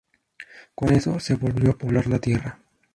Con eso, se volvió a poblar la Tierra.